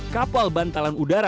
kepala bantalan udara